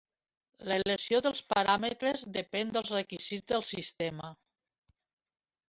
L'elecció dels paràmetres depèn dels requisits del sistema.